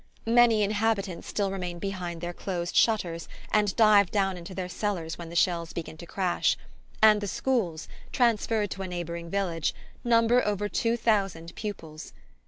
Many inhabitants still remain behind their closed shutters and dive down into their cellars when the shells begin to crash; and the schools, transferred to a neighbouring village, number over two thousand pupils.